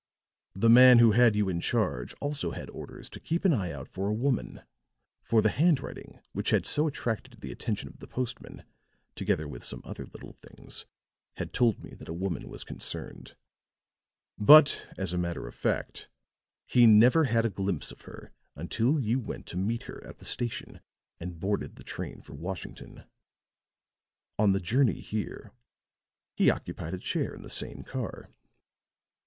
The man who had you in charge also had orders to keep an eye out for a woman, for the handwriting which had so attracted the attention of the postman, together with some other little things, had told me that a woman was concerned. But, as a matter of fact, he never had a glimpse of her until you went to meet her at the station and boarded the train for Washington. On the journey here, he occupied a chair in the same car."